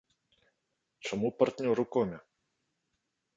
Чаму партнёр у коме?